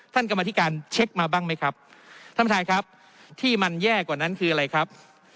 กรรมธิการเช็คมาบ้างไหมครับท่านประธานครับที่มันแย่กว่านั้นคืออะไรครับ